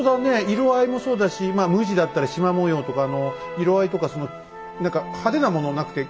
色合いもそうだし無地だったりしま模様とか色合いとかその何か派手なものなくて。